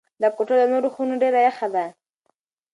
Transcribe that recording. دا کوټه له نورو خونو ډېره یخه ده.